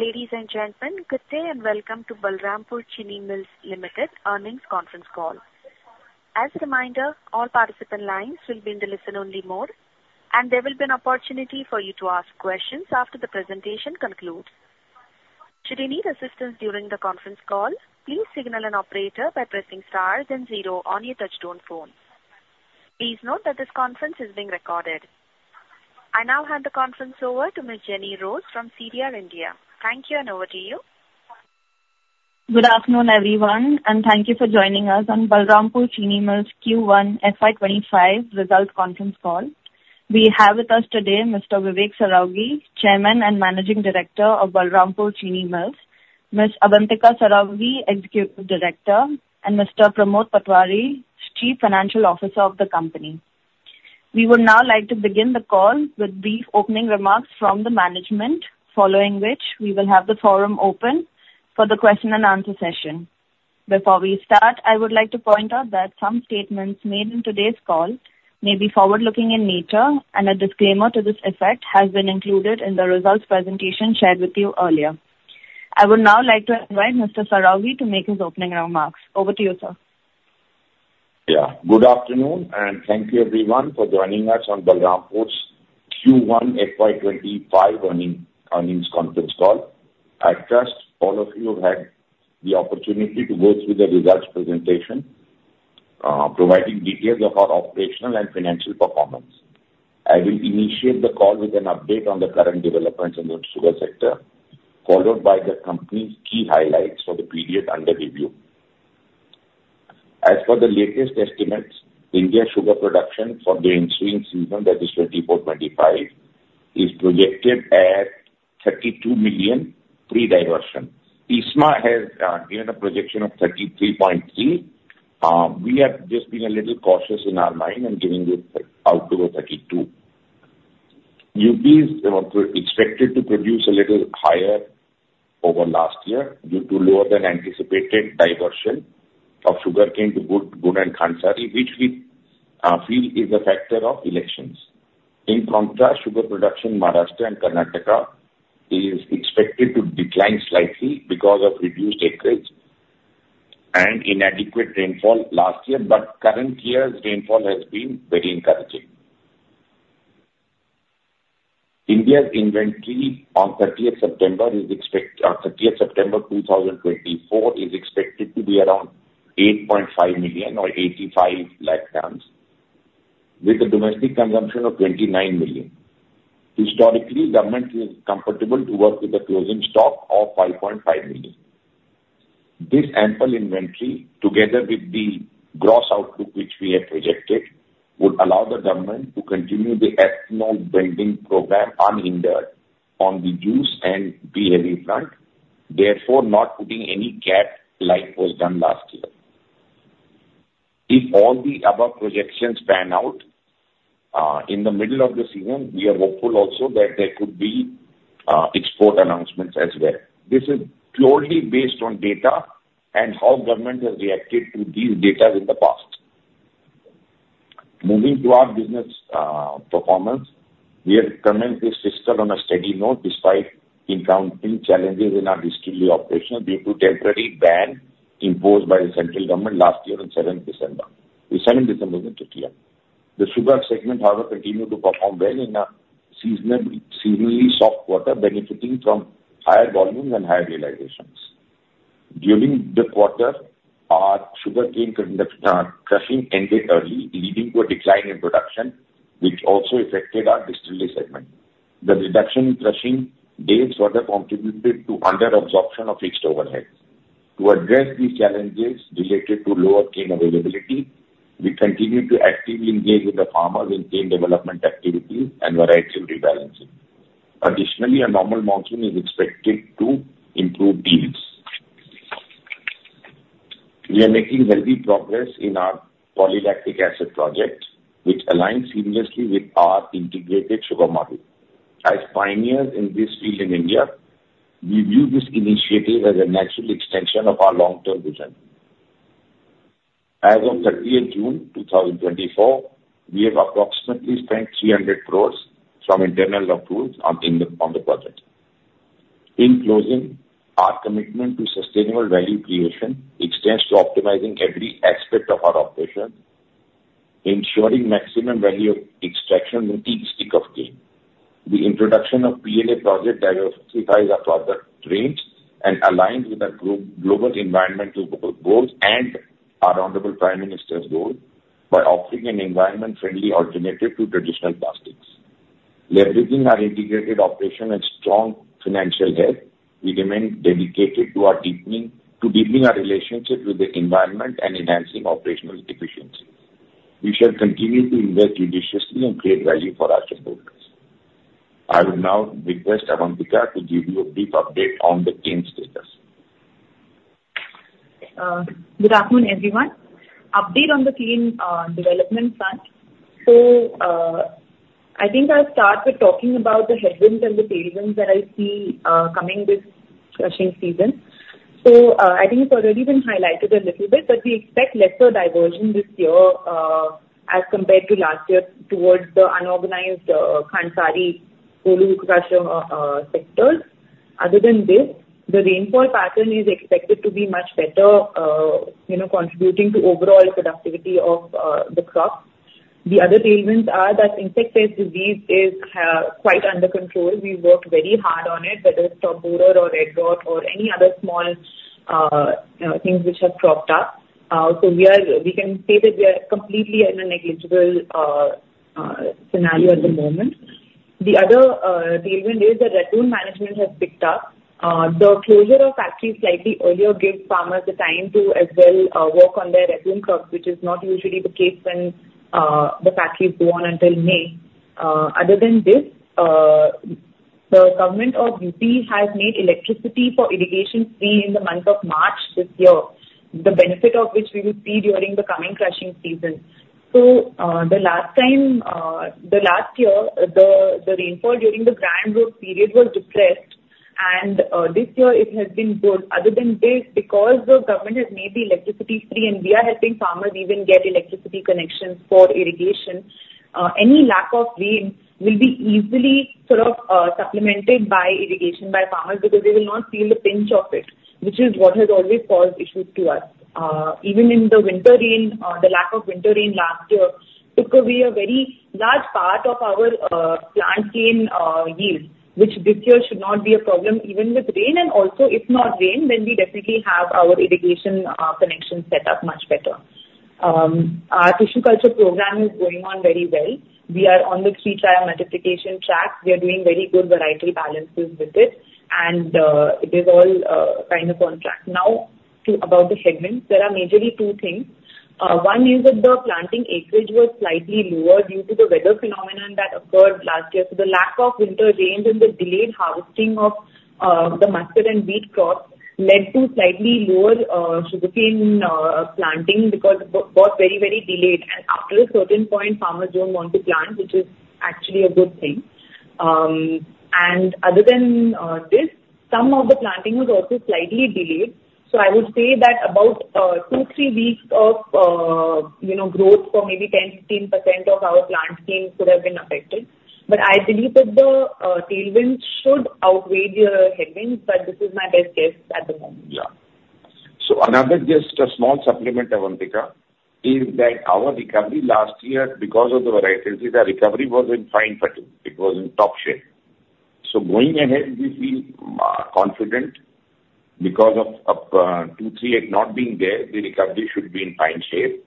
Ladies and gentlemen, good day, and welcome to Balrampur Chini Mills Limited earnings conference call. As a reminder, all participant lines will be in the listen-only mode, and there will be an opportunity for you to ask questions after the presentation concludes. Should you need assistance during the conference call, please signal an operator by pressing star then zero on your touchtone phone. Please note that this conference is being recorded. I now hand the conference over to Ms. Jenny Rose from CDR India. Thank you, and over to you. Good afternoon, everyone, and thank you for joining us on Balrampur Chini Mills Q1 FY25 results conference call. We have with us today Mr. Vivek Saraogi, Chairman and Managing Director of Balrampur Chini Mills, Ms. Avantika Saraogi, Executive Director, and Mr. Pramod Patwari, Chief Financial Officer of the company. We would now like to begin the call with brief opening remarks from the management, following which we will have the forum open for the question and answer session. Before we start, I would like to point out that some statements made in today's call may be forward-looking in nature, and a disclaimer to this effect has been included in the results presentation shared with you earlier. I would now like to invite Mr. Saraogi to make his opening remarks. Over to you, sir. Yeah. Good afternoon, and thank you everyone for joining us on Balrampur's Q1 FY25 earning, earnings conference call. I trust all of you have had the opportunity to go through the results presentation, providing details of our operational and financial performance. I will initiate the call with an update on the current developments in the sugar sector, followed by the company's key highlights for the period under review. As per the latest estimates, India's sugar production for the ensuing season, that is 2024-25, is projected at 32 million pre-diversion. ISMA has given a projection of 33.3. We have just been a little cautious in our mind and giving it out to a 32. UP is expected to produce a little higher over last year due to lower than anticipated diversion of sugarcane to gur and khandsari, which we feel is a factor of elections. In contrast, sugar production in Maharashtra and Karnataka is expected to decline slightly because of reduced acreage and inadequate rainfall last year, but current year's rainfall has been very encouraging. India's inventory on thirtieth September 2024 is expected to be around 8.5 million or 85 lakh tons, with a domestic consumption of 29 million. Historically, government is comfortable to work with a closing stock of 5.5 million. This ample inventory, together with the gross output which we have projected, would allow the government to continue the ethanol blending program unhindered on the juice and B-heavy front, therefore, not putting any cap like was done last year. If all the above projections pan out, in the middle of the season, we are hopeful also that there could be, export announcements as well. This is purely based on data and how government has reacted to these data in the past. Moving to our business, performance, we are coming to a close on a steady note despite encountering challenges in our distillery operations due to temporary ban imposed by the central government last year on seventh December. The 7th December to clear. The sugar segment, however, continued to perform well in a seasonally soft quarter, benefiting from higher volumes and higher realizations. During the quarter, our sugarcane crushing ended early, leading to a decline in production, which also affected our distillery segment. The reduction in crushing dates further contributed to under absorption of fixed overheads. To address these challenges related to lower cane availability, we continue to actively engage with the farmers in cane development activities and variety rebalancing. Additionally, a normal monsoon is expected to improve yields. We are making healthy progress in our polylactic acid project, which aligns seamlessly with our integrated sugar model. As pioneers in this field in India, we view this initiative as a natural extension of our long-term vision. As of 30th June 2024, we have approximately spent 300 crore from internal accruals on the project. In closing, our commitment to sustainable value creation extends to optimizing every aspect of our operation, ensuring maximum value extraction with each stick of cane. The introduction of PLA project diversifies our product range and aligns with our global environmental goals and our honorable Prime Minister's goal by offering an environment-friendly alternative to traditional plastics. Leveraging our integrated operation and strong financial health, we remain dedicated to deepening our relationship with the environment and enhancing operational efficiency. We shall continue to invest judiciously and create value for our shareholders. I would now request Avantika to give you a brief update on the cane status. Good afternoon, everyone. Update on the cane development front. So, I think I'll start with talking about the headwinds and the tailwinds that I see coming this crushing season. I think it's already been highlighted a little bit, but we expect lesser diversion this year as compared to last year towards the unorganized Khandsari jaggery sectors. Other than this, the rainfall pattern is expected to be much better, you know, contributing to overall productivity of the crops. The other tailwinds are that insect and disease is quite under control. We've worked very hard on it, whether it's borer or red rot or any other small, you know, things which have cropped up. So we can say that we are completely at a negligible scenario at the moment. The other tailwind is that ratoon management has picked up. The closure of factories slightly earlier gives farmers the time to as well work on their ratoon crops, which is not usually the case when the factories go on until May. Other than this, the government of UP has made electricity for irrigation free in the month of March this year. The benefit of which we will see during the coming crushing season. So, the last time, the last year, the rainfall during the grand growth period was depressed, and this year it has been good. Other than this, because the government has made the electricity free and we are helping farmers even get electricity connections for irrigation, any lack of rain will be easily sort of supplemented by irrigation by farmers, because they will not feel the pinch of it, which is what has always caused issues to us. Even in the winter rain, the lack of winter rain last year took away a very large part of our plant cane yield, which this year should not be a problem, even with rain. And also, if not rain, then we definitely have our irrigation connection set up much better. Our tissue culture program is going on very well. We are on the three trial multiplication track. We are doing very good varietal balances with it, and it is all kind of on track. Now, to about the segments. There are majorly two things. One is that the planting acreage was slightly lower due to the weather phenomenon that occurred last year. So the lack of winter rains and the delayed harvesting of the mustard and wheat crops led to slightly lower sugarcane planting, because it got very, very delayed. And after a certain point, farmers don't want to plant, which is actually a good thing. And other than this, some of the planting was also slightly delayed. So I would say that about 2-3 weeks of you know growth for maybe 10%-15% of our plant cane could have been affected. But I believe that the tailwinds should outweigh the headwinds, but this is my best guess at the moment. Yeah. So another, just a small supplement, Avantika, is that our recovery last year, because of the varieties, the recovery was in fine fettle. It was in top shape. So going ahead, we feel confident because of two, three had not been there, the recovery should be in fine shape.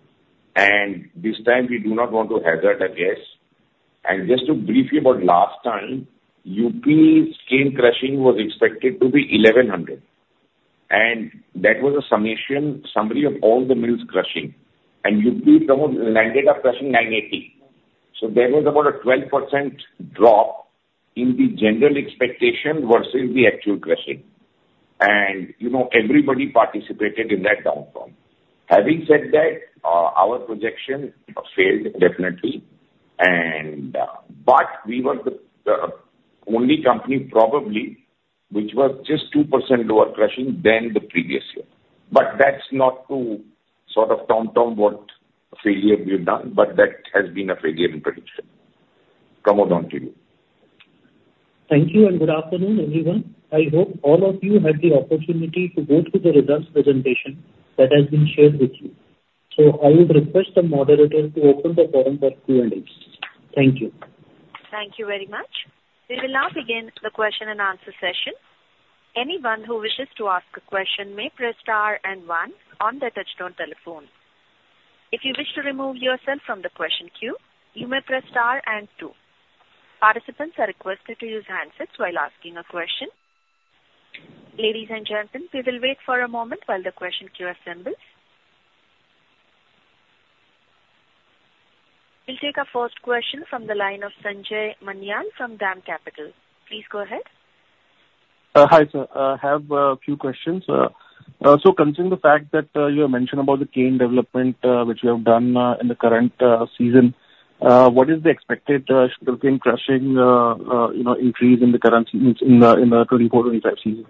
And this time we do not want to hazard a guess. And just to briefly about last time, UP cane crushing was expected to be 1,100, and that was a summation, summary of all the mills crushing. And UP, some of landed up crushing 980. So there was about a 12% drop in the general expectation versus the actual crushing. And, you know, everybody participated in that downfall. Having said that, our projection failed, definitely. but we were the only company probably which was just 2% lower crushing than the previous year. But that's not to sort of tone down what failure we've done, but that has been a failure in prediction. Pramod, on to you. Thank you and good afternoon, everyone. I hope all of you had the opportunity to go through the results presentation that has been shared with you. So I would request the moderator to open the forum for Q&A. Thank you. Thank you very much. We will now begin the question and answer session. Anyone who wishes to ask a question may press star and one on their touchtone telephone. If you wish to remove yourself from the question queue, you may press star and two. Participants are requested to use handsets while asking a question. Ladies and gentlemen, we will wait for a moment while the question queue assembles. We'll take our first question from the line of Sanjay Manyal from DAM Capital. Please go ahead. Hi, sir. I have a few questions. So concerning the fact that you have mentioned about the cane development, which you have done, in the current season, what is the expected sugarcane crushing, you know, increase in the current season - in the 2024/2025 season?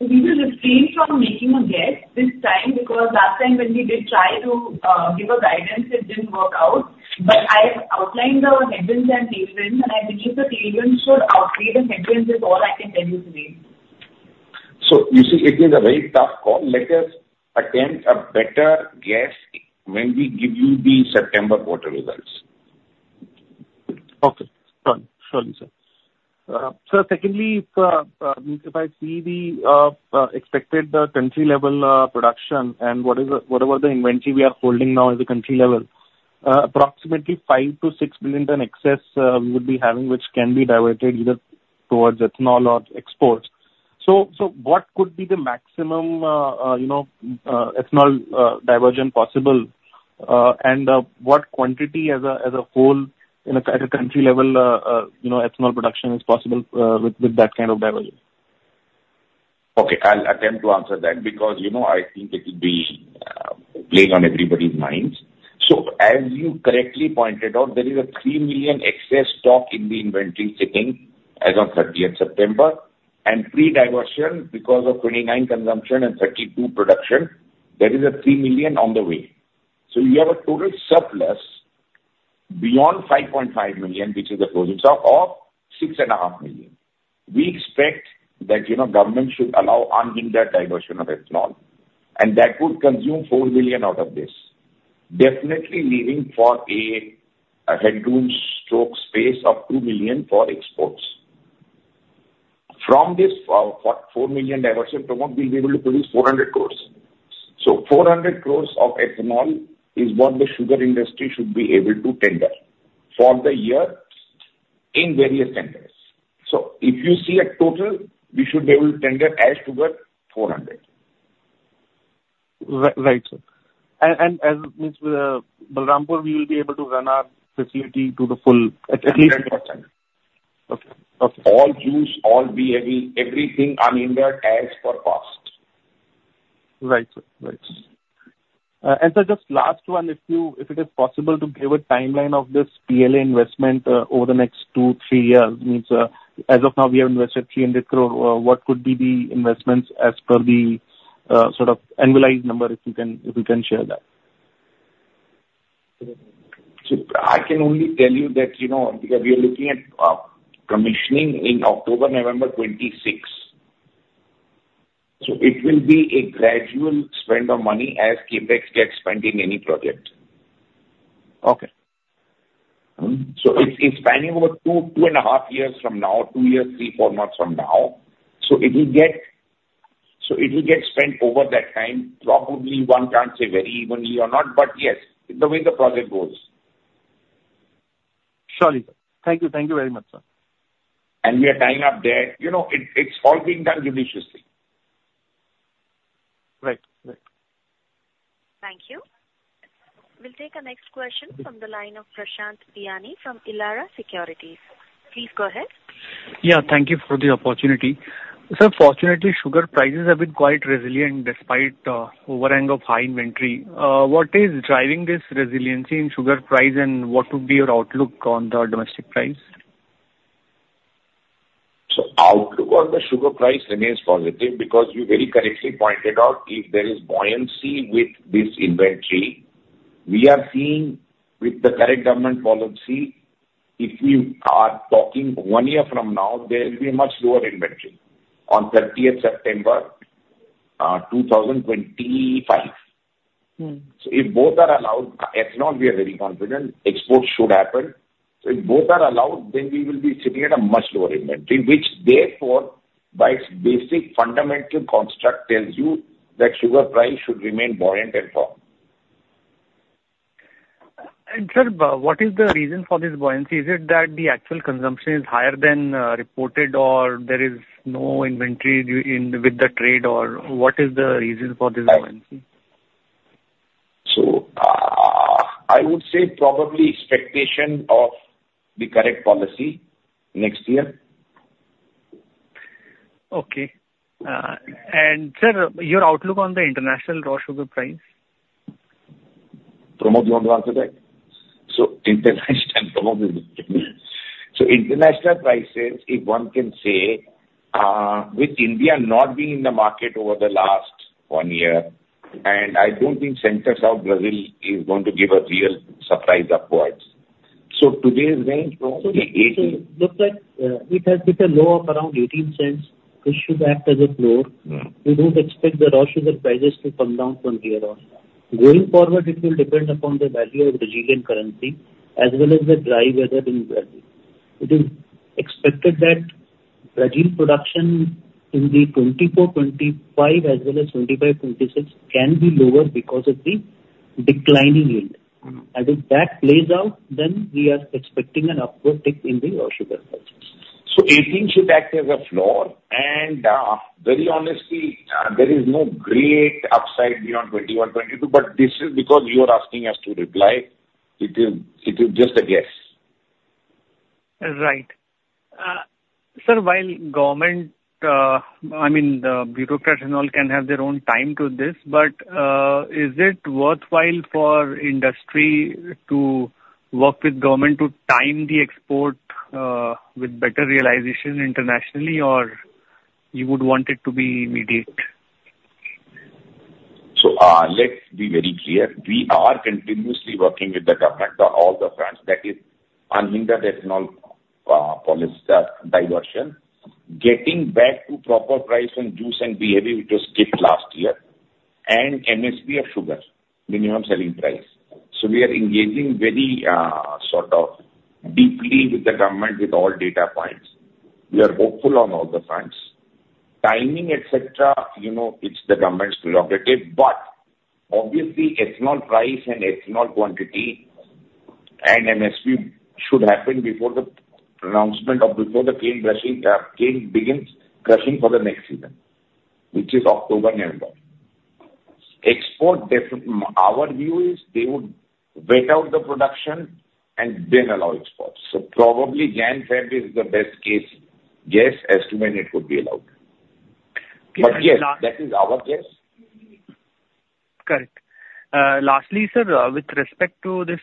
We will refrain from making a guess this time, because last time when we did try to give a guidance, it didn't work out. But I have outlined our headwinds and tailwinds, and I believe the tailwinds should outweigh the headwinds, is all I can tell you today. So you see, it is a very tough call. Let us attempt a better guess when we give you the September quarter results. Okay. Sure. Surely, sir. Sir, secondly, if I see the expected country level production and what is the—what about the inventory we are holding now at the country level? Approximately 5 million-6 million tons excess we would be having, which can be diverted either towards ethanol or exports. So, what could be the maximum, you know, ethanol diversion possible? And, what quantity as a whole in—at a country level, you know, ethanol production is possible with that kind of diversion? Okay, I'll attempt to answer that, because, you know, I think it will be playing on everybody's minds. So as you correctly pointed out, there is a 3 million excess stock in the inventory sitting as on 30th September, and pre-diversion, because of 29 consumption and 32 production, there is a 3 million on the way. So you have a total surplus beyond 5.5 million, which is the closing stock of 6.5 million. We expect that, you know, government should allow unhindered diversion of ethanol, and that would consume 4 million out of this, definitely leaving for a headroom/space of 2 million for exports. From this, 4 million diversion from, we'll be able to produce 400 crore. So 400 crore of ethanol is what the sugar industry should be able to tender for the year in various tenders. If you see a total, we should be able to tender as sugar 400. Right, sir. And as means, Balrampur, we will be able to run our facility to the full, at least- Hundred percent. Okay. Okay. All juice, all B-heavy, everything unhindered as per past. Right, sir. Right. And so just last one, if you, if it is possible to give a timeline of this PLA investment, over the next 2-3 years, means, as of now, we have invested 300 crore. What could be the investments as per the, sort of annualized number, if you can, if you can share that? I can only tell you that, you know, because we are looking at commissioning in October, November 2026. It will be a gradual spend of money as CapEx gets spent in any project. Okay. Mm-hmm. So it's, it's spanning over 2, 2.5 years from now, 2 years, 3, 4 months from now. So it will get... So it will get spent over that time. Probably one can't say very evenly or not, but yes, the way the project goes. Surely. Thank you. Thank you very much, sir. We are tying up there. You know, it's all being done judiciously. Right. Right. Thank you. We'll take a next question from the line of Prashant Biyani from Elara Securities. Please go ahead. Yeah, thank you for the opportunity. Sir, fortunately, sugar prices have been quite resilient despite overhang of high inventory. What is driving this resiliency in sugar price, and what would be your outlook on the domestic price? So outlook on the sugar price remains positive because you very correctly pointed out if there is buoyancy with this inventory, we are seeing with the current government policy, if we are talking one year from now, there will be a much lower inventory on thirtieth September 2025. Mmh. So if both are allowed, ethanol, we are very confident export should happen. So if both are allowed, then we will be sitting at a much lower inventory, which therefore, by basic fundamental construct, tells you that sugar price should remain buoyant and firm. Sir, what is the reason for this buoyancy? Is it that the actual consumption is higher than reported, or there is no inventory with the trade, or what is the reason for this buoyancy? I would say probably expectation of the correct policy next year. Okay. Sir, your outlook on the international raw sugar price? Pramod, you want to answer that? So international prices, if one can say, with India not being in the market over the last one year, and I don't think Center South Brazil is going to give a real surprise upwards. So today's range from 18- Sir, it looks like it has with a low of around 0.18, which should act as a floor. Mm. We don't expect the raw sugar prices to come down from here on. Going forward, it will depend upon the value of Brazilian currency as well as the dry weather in Brazil. It is expected that Brazil production in the 2024-2025, as well as 2025-2026, can be lower because of the declining yield. Mm-hmm. If that plays out, then we are expecting an upward tick in the raw sugar prices. So 18 should act as a floor, and, very honestly, there is no great upside beyond 21, 22, but this is because you are asking us to reply. It is, it is just a guess. Right. Sir, while government, I mean, the bureaucrats and all can have their own time to this, but, is it worthwhile for industry to work with government to time the export, with better realization internationally, or you would want it to be immediate? So, let's be very clear. We are continuously working with the government on all the fronts. That is unhindered ethanol policy, diversion, getting back to proper price and juice and B-heavy which was skipped last year, and MSP of sugar, Minimum Selling Price. So we are engaging very sort of deeply with the government with all data points. We are hopeful on all the fronts. Timing, et cetera, you know, it's the government's prerogative, but obviously, ethanol price and ethanol quantity and MSP should happen before the pronouncement of, before the cane crushing, cane begins crushing for the next season, which is October, November. Our view is they would wait out the production and then allow exports. So probably, January, February is the best case guess as to when it would be allowed... But yes, that is our guess. Correct. Lastly, sir, with respect to this,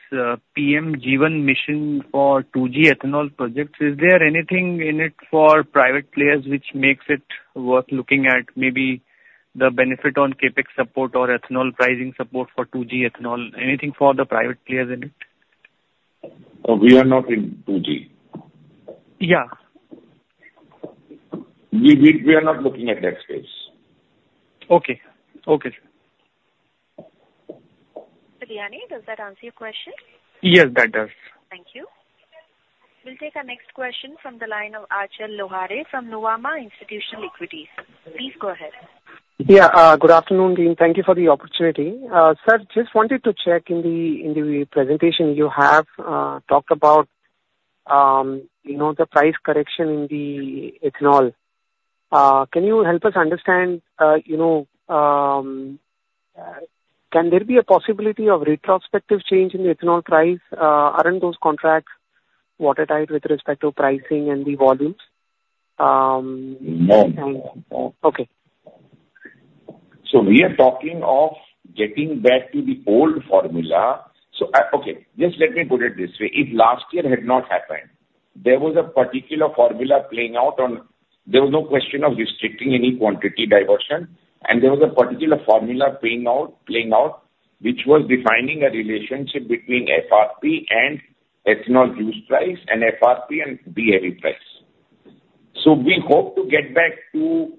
PM JI-VAN mission for 2G ethanol projects, is there anything in it for private players which makes it worth looking at, maybe the benefit on CapEx support or ethanol pricing support for 2G ethanol? Anything for the private players in it? We are not in 2G. Yeah. We are not looking at that space. Okay. Okay, sir. Biyani, does that answer your question? Yes, that does. Thank you. We'll take our next question from the line of Achal Lohade from Nuvama Institutional Equities. Please go ahead. Yeah, good afternoon, Dean. Thank you for the opportunity. Sir, just wanted to check in the presentation you have talked about, you know, the price correction in the ethanol. Can you help us understand, you know, can there be a possibility of retrospective change in the ethanol price? Aren't those contracts watertight with respect to pricing and the volumes? No, no, no. Okay. So we are talking of getting back to the old formula. So, okay, just let me put it this way. If last year had not happened, there was a particular formula playing out on... There was no question of restricting any quantity diversion, and there was a particular formula playing out, which was defining a relationship between FRP and ethanol juice price, and FRP and B-heavy price. So we hope to get back to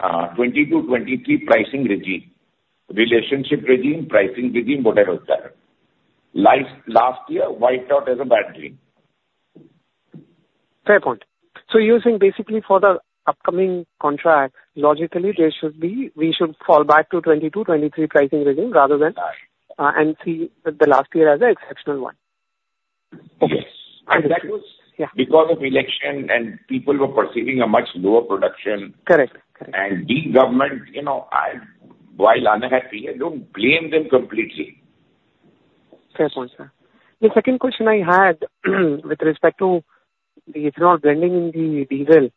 22-23 pricing regime, relationship regime, pricing regime, whatever is there. Last year wiped out as a bad dream. Fair point. So you're saying basically for the upcoming contract, logically, there should be - we should fall back to 22, 23 pricing regime rather than- Right. and see the last year as an exceptional one? Yes. Yeah. That was because of election, and people were perceiving a much lower production. Correct. The government, you know, I, while unhappy, I don't blame them completely. Fair point, sir. The second question I had, with respect to the ethanol blending in the diesel,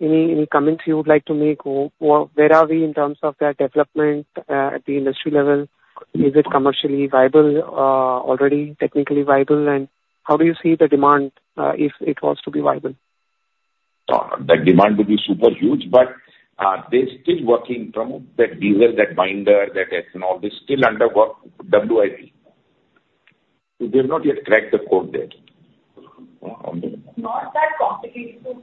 any comments you would like to make, or where are we in terms of that development, at the industry level? Is it commercially viable, already technically viable? And how do you see the demand, if it was to be viable? The demand will be super huge, but they're still working from that diesel, that binder, that ethanol is still under work, WIP. So they've not yet cracked the code there. Not that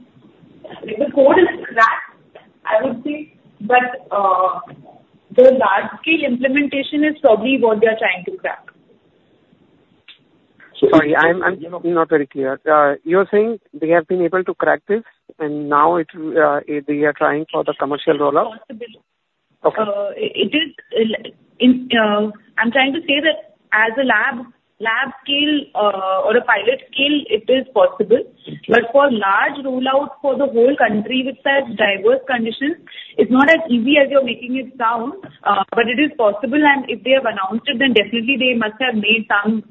complicated, so. The code is cracked, I would say, but the large-scale implementation is probably what they are trying to crack. Sorry, I'm not very clear. You're saying they have been able to crack this, and now they are trying for the commercial rollout? It is possible. Okay. I'm trying to say that as a lab scale or a pilot scale, it is possible. But for large rollout for the whole country with such diverse conditions, it's not as easy as you're making it sound, but it is possible. And if they have announced it, then definitely they must have made some,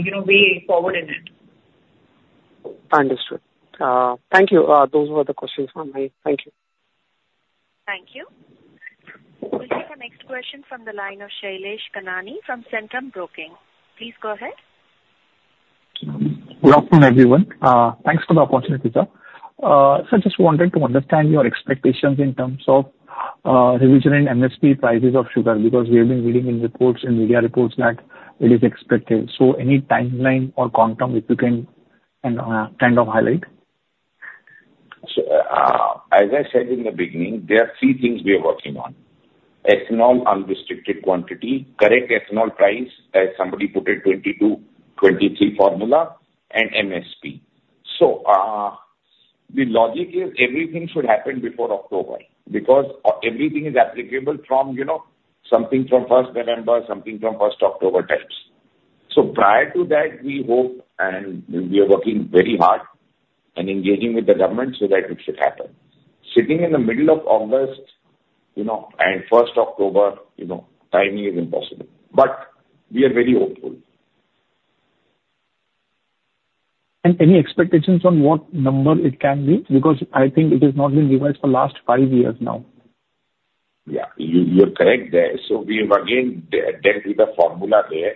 you know, way forward in it. Understood. Thank you. Those were the questions from me. Thank you. Thank you. We'll take our next question from the line of Shailesh Kanani from Centrum Broking. Please go ahead. Good afternoon, everyone. Thanks for the opportunity, sir. So I just wanted to understand your expectations in terms of revision in MSP prices of sugar, because we have been reading in reports, in media reports, that it is expected. So any timeline or quantum, if you can, kind of highlight? So, as I said in the beginning, there are three things we are working on: Ethanol unrestricted quantity, correct ethanol price, as somebody put it, 22/23 formula, and MSP. So, the logic is everything should happen before October, because, everything is applicable from, you know, something from first November, something from first October types. So prior to that, we hope, and we are working very hard and engaging with the government so that it should happen. Sitting in the middle of August, you know, and first October, you know, timing is impossible, but we are very hopeful. Any expectations on what number it can be? Because I think it has not been revised for last five years now. Yeah, you, you're correct there. So we have again, dealt with the formula there,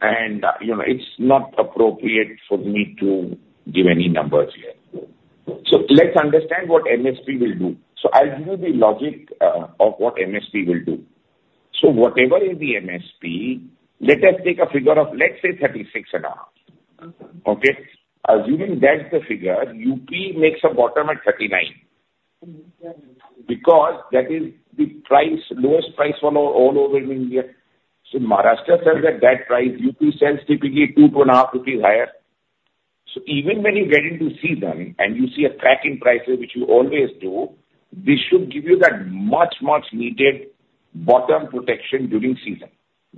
and, you know, it's not appropriate for me to give any numbers yet. So let's understand what MSP will do. So I'll give you the logic of what MSP will do. So whatever is the MSP, let us take a figure of, let's say, 36.5, okay? Assuming that's the figure, UP makes a bottom at 39, because that is the price, lowest price all over in India. So Maharashtra sells at that price. UP sells typically 2-2.5 rupees higher. So even when you get into season and you see a crack in prices, which you always do, this should give you that much, much needed bottom protection during season: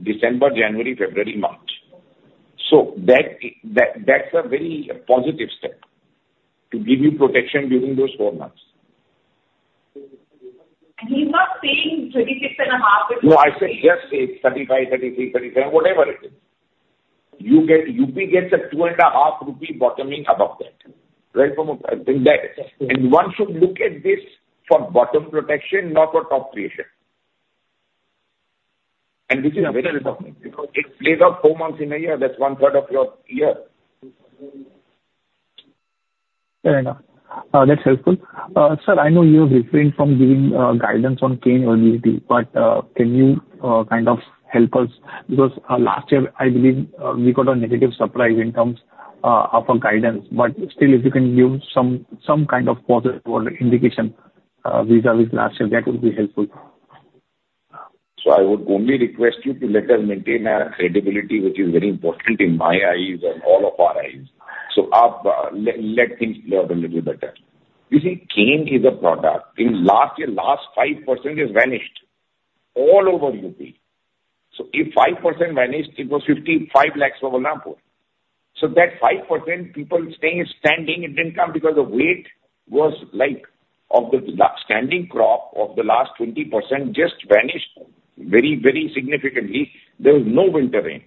December, January, February, March. So that's a very positive step, to give you protection during those four months. And he's not saying 36.5 is- No, I said just say 35, 33, 37, whatever it is... you get, UP gets an INR 2.5 bottoming above that, right? From, in that. And one should look at this for bottom protection, not for top creation. And this is a very good company, because it plays out 4 months in a year, that's 1/3 of your year. Fair enough. That's helpful. Sir, I know you're refraining from giving guidance on cane availability, but can you kind of help us? Because last year, I believe, we got a negative surprise in terms of our guidance. But still, if you can give some, some kind of positive or indication vis-a-vis last year, that would be helpful. So I would only request you to let us maintain our credibility, which is very important in my eyes and all of our eyes. So, let things flow a little better. You see, cane is a product. In last year, last 5% is vanished all over UP. So if 5% vanished, it was 55 lakhs over Balrampur. So that 5% people saying it's standing, it didn't come because the weight was like, of the last standing crop of the last 20% just vanished very, very significantly. There was no winter rain.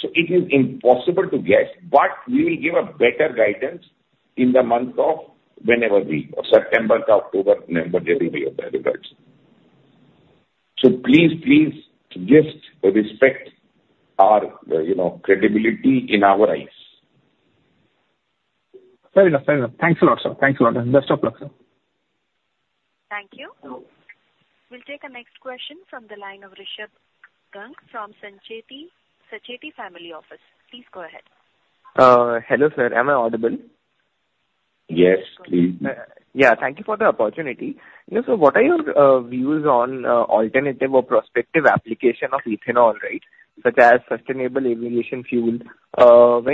So it is impossible to guess, but we will give a better guidance in the month of whenever we, September to October, November, there will be of the results. So please, please just respect our, you know, credibility in our eyes. Fair enough. Fair enough. Thanks a lot, sir. Thanks a lot. Best of luck, sir. Thank you. We'll take the next question from the line of Rishabh Gang from Sacheti, Sacheti Family Office. Please go ahead. Hello, sir. Am I audible? Yes, please. Yeah, thank you for the opportunity. Yes, so what are your views on alternative or prospective application of ethanol, right? When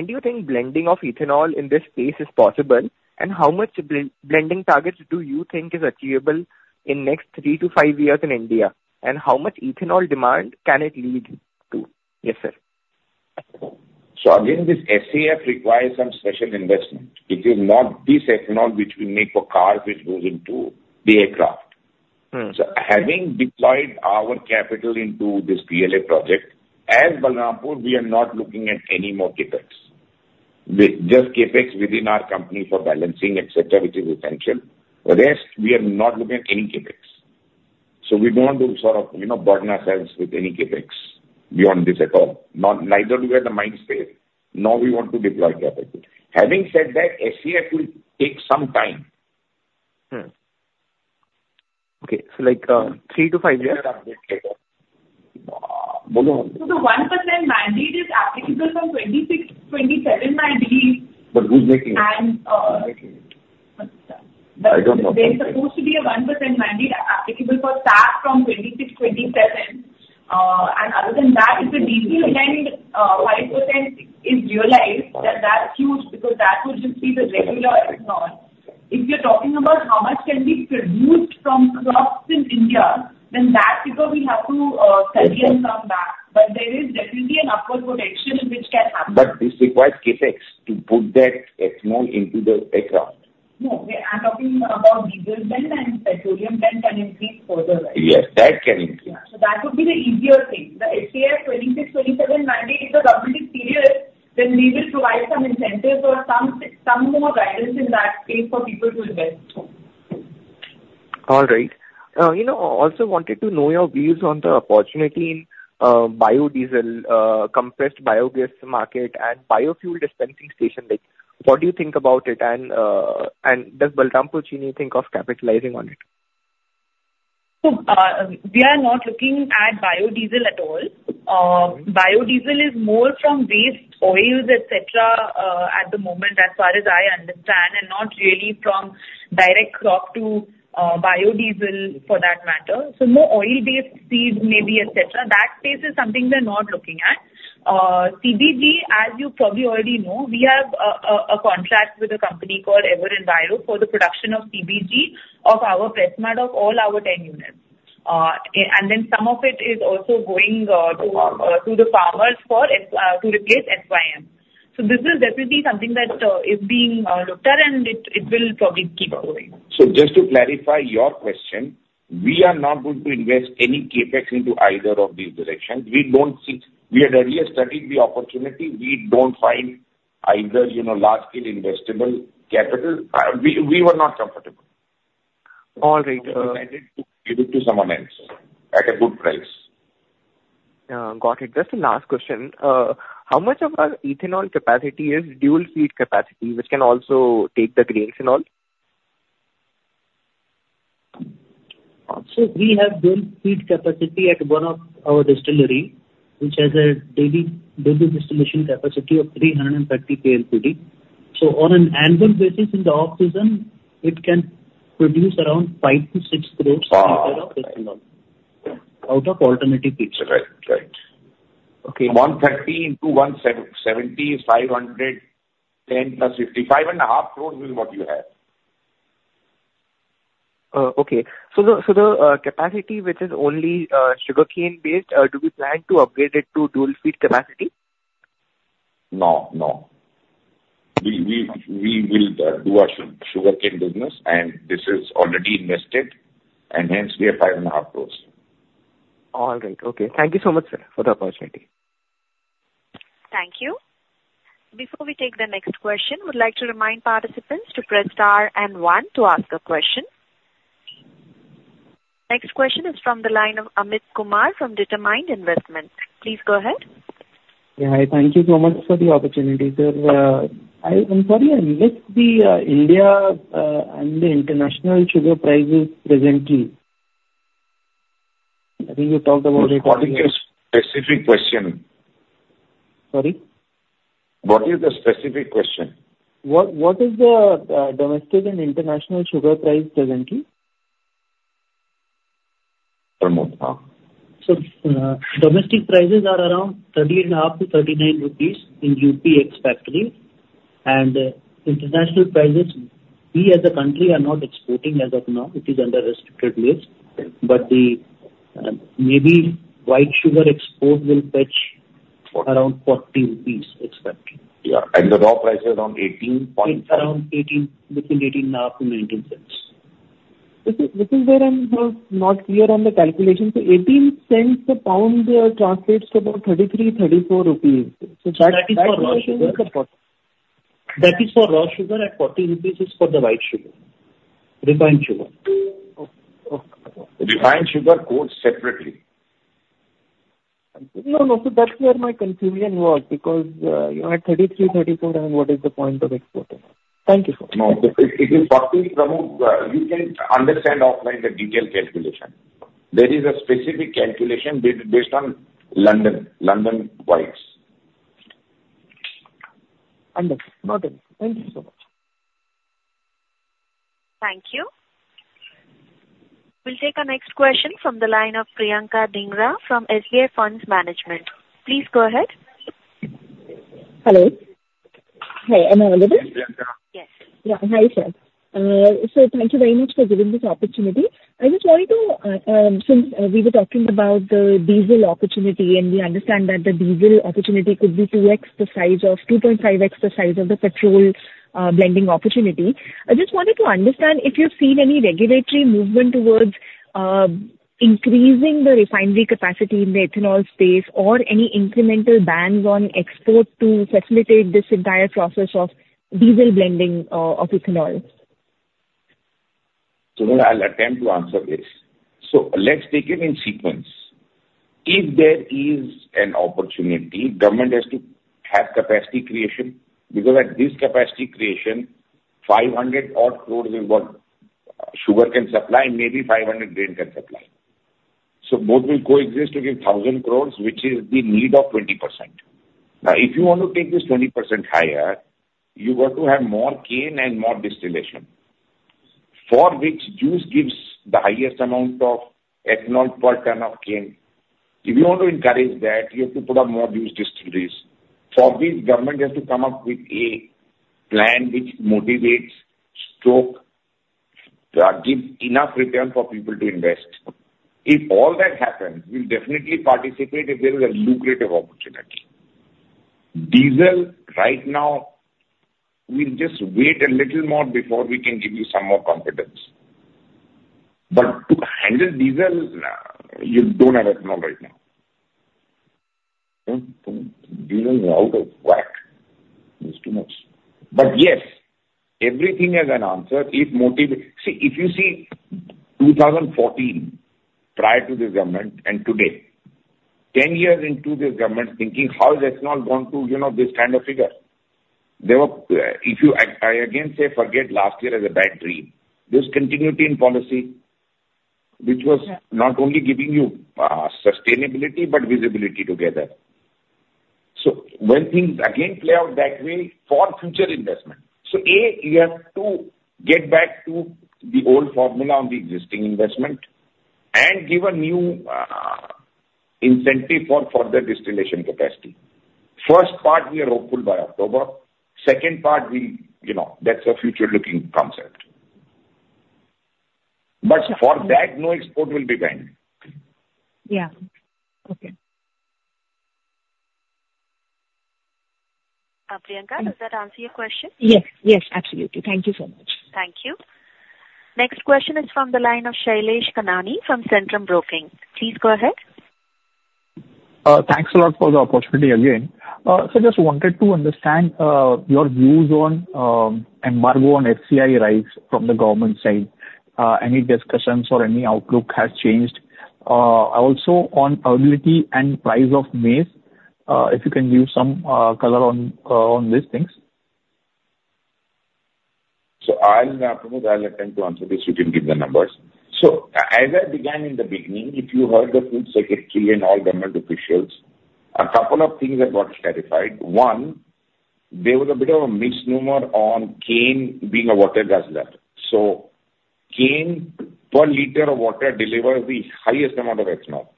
do you think blending of ethanol in this space is possible? And how much blending targets do you think is achievable in next 3 years-5 years in India? And how much ethanol demand can it lead to? Yes, sir. Again, this SAF requires some special investment. It is not this ethanol which we make for cars, which goes into the aircraft. Mmh. So having deployed our capital into this PLA project, as Balrampur, we are not looking at any more CapEx. We just CapEx within our company for balancing, et cetera, which is essential. The rest, we are not looking at any CapEx. So we don't want to sort of, you know, burden ourselves with any CapEx beyond this at all. Not, neither do we have the mind space, nor we want to deploy CapEx. Having said that, SAF will take some time. Hmm. Okay. So like, 3 years-5 years? Uh... The 1% mandate is applicable from 2026, 2027, I believe. But who's making it? And, uh- Who's making it? I don't know. There's supposed to be a 1% mandate applicable for tax from 2026, 2027. And other than that, if the diesel blend, 5% is realized, then that's huge, because that would just be the regular ethanol. If you're talking about how much can be produced from crops in India, then that because we have to study and come back. But there is definitely an upward potential which can happen. But this requires CapEx to put that ethanol into the aircraft. No, we are talking about diesel blend and petroleum blend can increase further, right? Yes, that can increase. Yeah. So that would be the easier thing. The SAF 2026, 2027 mandate, if the government is serious, then we will provide some incentives or some more guidance in that space for people to invest. All right. You know, I also wanted to know your views on the opportunity in biodiesel, compressed biogas market and biofuel dispensing station. Like, what do you think about it? And does Balrampur Chini think of capitalizing on it? So, we are not looking at biodiesel at all. Biodiesel is more from waste oils, et cetera, at the moment, as far as I understand, and not really from direct crop to biodiesel for that matter. So more oil-based seeds maybe, et cetera. That space is something we're not looking at. CBG, as you probably already know, we have a contract with a company called EverEnviro for the production of CBG of our press mud of all our 10 units. And then some of it is also going to the farmers for to replace FYM. So this is definitely something that is being looked at, and it will probably keep going. Just to clarify your question, we are not going to invest any CapEx into either of these directions. We don't see... We had earlier studied the opportunity. We don't find either, you know, large-scale investable capital. We were not comfortable. All right, We decided to give it to someone else at a good price. Got it. Just the last question. How much of our ethanol capacity is dual feed capacity, which can also take the grains and all? So we have dual feed capacity at one of our distillery, which has a daily dual distillation capacity of 350 KLPD. So on an annual basis, in the off season, it can produce around 5-6 crores- Ah, right. liter of ethanol out of alternative feedstock. Right. Right. Okay. 130 into 170 is 500, 10 + 50. 5.5 crores is what you have. Okay. So the capacity, which is only sugarcane-based, do we plan to upgrade it to dual feed capacity? No, no. We will do our sugarcane business, and this is already invested, and hence, we are 5.5 crore. All right. Okay, thank you so much, sir, for the opportunity. Thank you. Before we take the next question, we'd like to remind participants to press star and one to ask a question. Next question is from the line of Amit Kumar from Determined Investments. Please go ahead. Yeah, hi. Thank you so much for the opportunity, sir. I'm sorry, I missed the Indian and the international sugar prices presently. I think you talked about it- What is your specific question? Sorry? What is the specific question? What, what is the domestic and international sugar price presently? Pramod, uh. Sir, domestic prices are around 30.5-39 rupees in UP ex-factory. International prices, we as a country are not exporting as of now. It is under restricted list. Yeah. The maybe white sugar export will fetch around 14 rupees, ex-factory. Yeah, and the raw price is around 18 point- It's around $0.18, between $0.185-$0.19. This is, this is where I'm not clear on the calculation. So $0.18 a pound translates to about 33-34 rupees. So that- That is for raw sugar. That is for raw sugar, and 14 rupees is for the white sugar. Refined sugar. Okay. Okay. Refined sugar quotes separately. No, no, so that's where my confusion was, because you are at 33, 34, then what is the point of exporting? Thank you, sir. No, it is 14, Pramod. You can understand offline the detailed calculation. There is a specific calculation based on London whites. Understood. Okay. Thank you so much. Thank you. We'll take our next question from the line of Priyanka Dhingra from SBI Funds Management. Please go ahead. Hello. Hi, am I audible? Yes. Yeah. Hi, sir. So thank you very much for giving this opportunity. I just wanted to, since we were talking about the diesel opportunity, and we understand that the diesel opportunity could be 2x the size of, 2.5x the size of the petrol blending opportunity. I just wanted to understand if you've seen any regulatory movement towards increasing the refinery capacity in the ethanol space, or any incremental bans on export to facilitate this entire process of diesel blending of ethanol? So then I'll attempt to answer this. So let's take it in sequence. If there is an opportunity, government has to have capacity creation, because at this capacity creation, 500 crore is what sugar can supply, maybe 500 crore grain can supply. So both will coexist to give 1,000 crore, which is the need of 20%. Now, if you want to take this 20% higher, you've got to have more cane and more distillation, for which juice gives the highest amount of ethanol per ton of cane. If you want to encourage that, you have to put up more juice distilleries. For this, government has to come up with a plan which motivates, stroke, gives enough return for people to invest. If all that happens, we'll definitely participate if there is a lucrative opportunity. Diesel, right now, we'll just wait a little more before we can give you some more confidence. But to handle diesel, you don't have ethanol right now. Diesel is out of whack. It's too much. But yes, everything has an answer if motiv... See, if you see 2014, prior to this government and today, 10 years into this government thinking, how is ethanol going to, you know, this kind of figure? There were, if you, I, I again say forget last year as a bad dream. There's continuity in policy- Yeah. -which was not only giving you, sustainability, but visibility together. So when things again play out that way for future investment, so, A, you have to get back to the old formula on the existing investment and give a new, incentive for further distillation capacity. First part, we are hopeful by October. Second part, we, you know, that's a future-looking concept. Yeah. But for that, no export will be banned. Yeah. Okay. Priyanka, does that answer your question? Yes. Yes, absolutely. Thank you so much. Thank you. Next question is from the line of Shailesh Kanani from Centrum Broking. Please go ahead. Thanks a lot for the opportunity again. So just wanted to understand your views on embargo on FCI rice from the government side. Any discussions or any outlook has changed? Also on availability and price of maize, if you can give some color on these things. So I'll, Pramod, I'll attempt to answer this. You can give the numbers. So as I began in the beginning, if you heard the food secretary and all government officials, a couple of things have got clarified. One, there was a bit of a misnomer on cane being a water guzzler. So cane per liter of water delivers the highest amount of ethanol,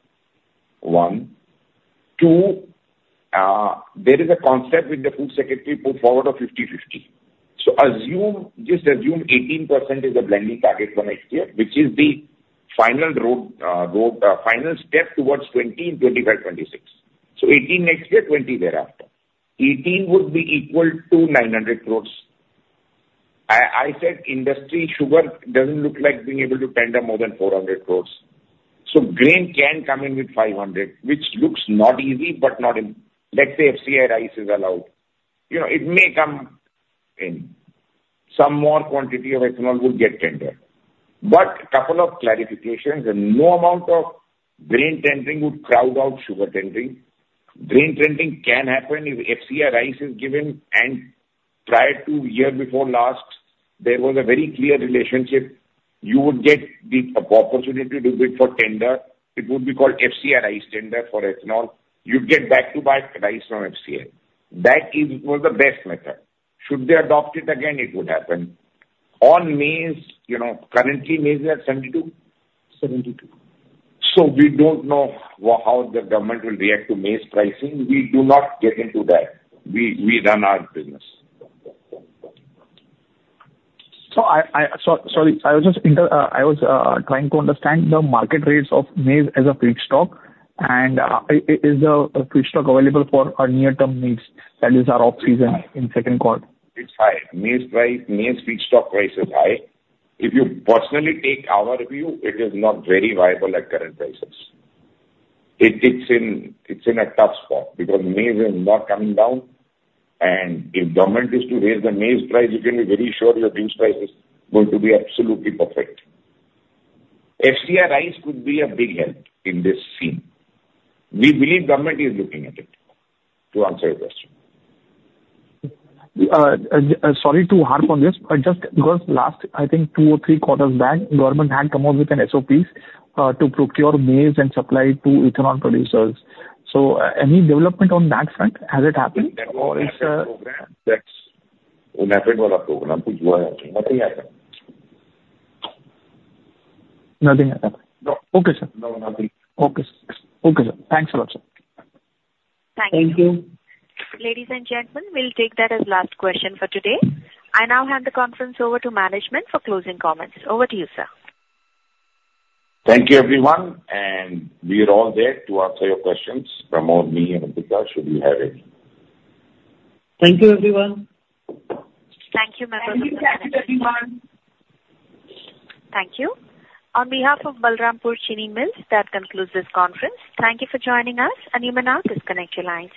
one. Two, there is a concept which the food secretary put forward of 50/50. So assume, just assume 18% is the blending target for next year, which is the final roadmap, final step towards 20 in 2025, 2026. So 18% next year, 20 thereafter. 18% would be equal to 900 crore. I, I said industry sugar doesn't look like being able to tender more than 400 crore. So grain can come in with 500, which looks not easy, but not let's say, FCI rice is allowed. You know, it may come in. Some more quantity of ethanol would get tendered. But couple of clarifications, and no amount of grain tendering would crowd out sugar tendering. Grain tendering can happen if FCI rice is given, and prior to year before last, there was a very clear relationship. You would get the opportunity to bid for tender. It would be called FCI rice tender for ethanol. You'd get back-to-back rice from FCI. That is, was the best method. Should they adopt it again, it would happen. On maize, you know, currently, maize are 72? Seventy-two. We don't know how the government will react to maize pricing. We do not get into that. We run our business. Sorry, I was just trying to understand the market rates of maize as a feedstock, and is the feedstock available for our near-term needs, that is, our off-season in second quarter? It's high. Maize price, maize feedstock price is high. If you personally take our view, it is not very viable at current prices. It's in a tough spot because maize is not coming down, and if government is to raise the maize price, you can be very sure your maize price is going to be absolutely perfect. FCI rice could be a big help in this scene. We believe government is looking at it, to answer your question. Sorry to harp on this, but just because last, I think two or three quarters back, government had come out with an SOPs to procure maize and supply to ethanol producers. So, any development on that front? Has it happened or is, That's a method of the program, which nothing happened. Nothing happened? No. Okay, sir. No, nothing. Okay, okay, sir. Thanks a lot, sir. Thank you. Thank you. Ladies and gentlemen, we'll take that as last question for today. I now hand the conference over to management for closing comments. Over to you, sir. Thank you, everyone, and we are all there to answer your questions, Pramod, me, and Deepika, should you have any. Thank you, everyone. Thank you, members- Thank you, everyone. Thank you. On behalf of Balrampur Chini Mills, that concludes this conference. Thank you for joining us, and you may now disconnect your lines.